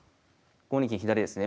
５二金左ですね。